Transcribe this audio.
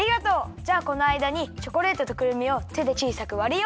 じゃあこのあいだにチョコレートとくるみをてでちいさくわるよ！